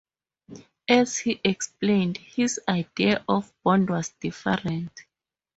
As he explained, his idea of Bond was different.